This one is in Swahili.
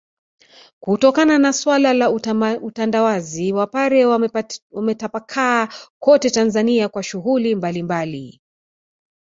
kutokana na suala la utandawazi Wapare wametapakaa kote Tanzania kwa shughuli mbalimbali